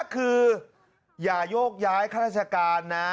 คืออย่าโยกย้ายข้าราชการนะ